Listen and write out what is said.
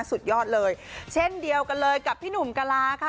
สุดยอดเลยเช่นเดียวกันเลยกับพี่หนุ่มกะลาค่ะ